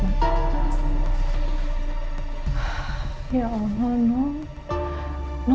ya allah noh